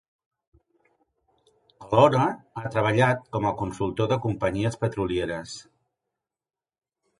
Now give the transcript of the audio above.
Alhora, ha treballat com a consultor de companyies petrolieres.